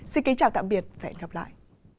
xin kính chào tạm biệt và hẹn gặp lại